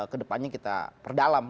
ke depannya kita perdalam